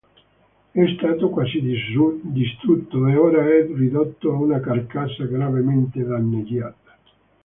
È stato quasi distrutto e ora è ridotto a una carcassa gravemente danneggiata.